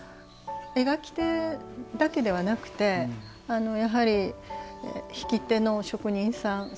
描き手だけではなくてやはり引き手の職人さん